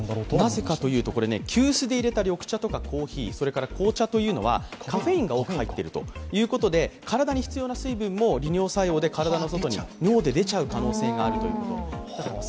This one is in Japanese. なぜかというと急須でいれた紅茶とかコーヒーそれから紅茶というのはカフェインが多く入っているということで体に必要な水分も利尿作用で体の外に尿で出ちゃう可能性があるということ。